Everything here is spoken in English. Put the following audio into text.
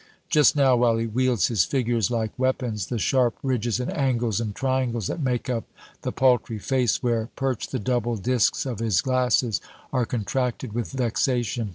Just now, while he wields his figures like weapons, the sharp ridges and angles and triangles that make up the paltry face where perch the double discs of his glasses, are contracted with vexation.